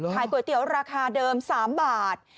ก๋วยเตี๋ยวราคาเดิม๓บาท